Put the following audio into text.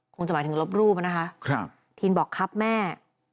คงจะหมายถึงลบรูปนะคะทีนบอกครับแม่